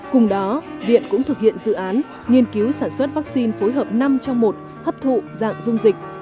cùng đó viện cũng thực hiện dự án nghiên cứu sản xuất vaccine phối hợp năm trong một hấp thụ dạng dung dịch